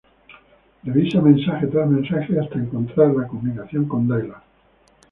Revisa mensaje tras mensaje hasta encontrar la comunicación con Dylan.